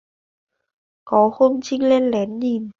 Có hôm Trinh len lén nhìn